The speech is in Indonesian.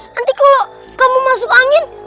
nanti kalau kamu masuk angin